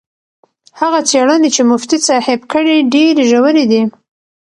هغه څېړنې چې مفتي صاحب کړي ډېرې ژورې دي.